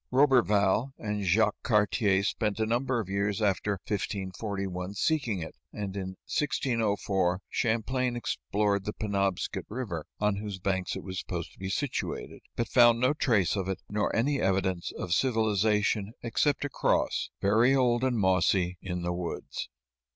Roberval and Jacques Cartier spent a number of years after 1541 seeking it, and in 1604 Champlain explored the Penobscot River, on whose banks it was supposed to be situated, but found no trace of it, nor any evidence of civilization except a cross, very old and mossy, in the woods.